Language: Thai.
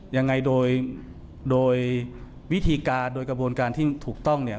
ยังไงโดยโดยวิธีการโดยกระบวนการที่ถูกต้องเนี่ย